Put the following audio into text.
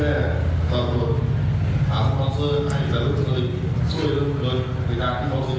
และกรรภาพของครับข้าวน้ำบว่ากล่อผม